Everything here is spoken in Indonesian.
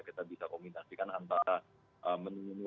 kita bisa kombinasikan antara menu menu